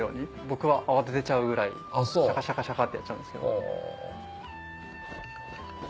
僕は泡立てちゃうぐらいシャカシャカシャカってやっちゃう。